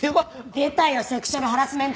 出たよセクシュアルハラスメント！